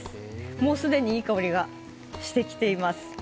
もう既にいい香りがしてきています。